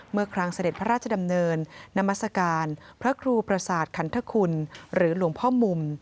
เมื่อครั้งเสด็จพระราชดำเนินนามัศกาลพระครูประสาทขันทคุณหรือหลวงพ่อมุม